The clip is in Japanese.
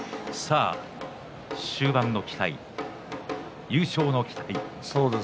終盤の期待、優勝の期待。